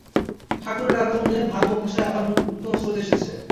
ঠাকুরের আগমনে ভাব ও ভাষায় আবার নূতন স্রোত এসেছে।